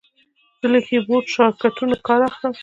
زه له کیبورډ شارټکټونو کار اخلم.